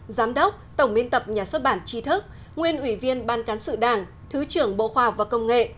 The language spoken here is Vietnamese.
giám đốc tổng biên tập nhà xuất bản tri thức nguyên ủy viên ban cán sự đảng thứ trưởng bộ khoa học và công nghệ